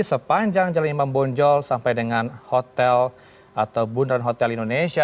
sepanjang jalan imam bonjol sampai dengan hotel atau bundaran hotel indonesia